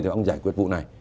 thì ông giải quyết vụ này